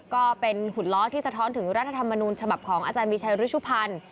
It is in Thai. ก็เป็นหุ่นล้อที่สะท้อนถึงรัฐธรรมนูญฉบับของอาจารย์มีชัยฤชุพันธ์